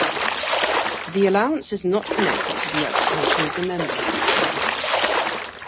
The allowance is not connected to the occupation of the member.